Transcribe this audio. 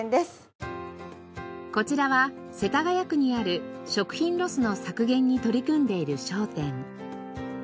こちらは世田谷区にある食品ロスの削減に取り組んでいる商店。